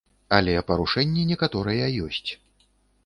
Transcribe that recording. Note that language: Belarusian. Але парушэнні некаторыя ёсць.